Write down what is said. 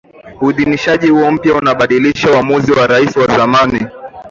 Uidhinishaji huo mpya unabadilisha uamuzi wa Rais wa zamani